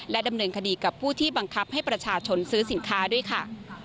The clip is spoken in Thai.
ดำเนินคดีกับผู้ที่บังคับให้ประชาชนซื้อสินค้าด้วยค่ะ